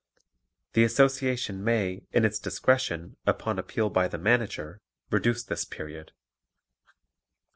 The Association may, in its discretion, upon appeal by the Manager, reduce this period.